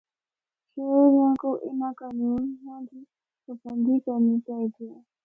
شہریاں کو اِناں قانوناں دی پابندی کرنی چاہی دی ہے۔